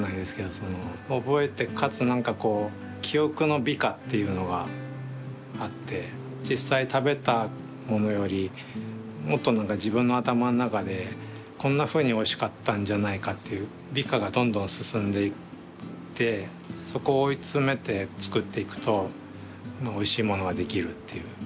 覚えてかつ何か記憶の美化っていうのがあって実際食べたものよりもっと自分の頭ん中でこんなふうにおいしかったんじゃないかっていう美化がどんどん進んでいってそこを追い詰めて作っていくとおいしいものができるっていう感じですね。